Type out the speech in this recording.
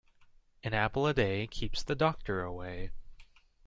An apple a day keeps the doctor away.